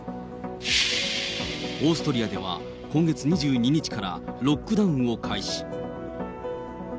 オーストリアでは今月２２日からロックダウンを開始。